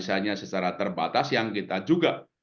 hanya secara terbatas yang kita juga